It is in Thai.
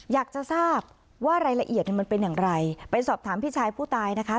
อยากจะทราบว่ารายละเอียดเนี่ยมันเป็นอย่างไรไปสอบถามพี่ชายผู้ตายนะคะ